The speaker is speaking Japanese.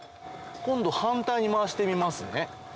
今度反対に回してみますね。